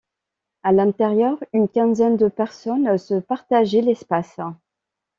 À l'intérieur une quinzaine de personnes se partageaient l'espace.